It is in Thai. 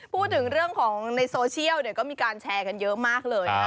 พูดถึงเรื่องของในโซเชียลก็มีการแชร์กันเยอะมากเลย